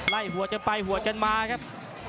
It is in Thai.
หัวกันไปหัวกันมาครับ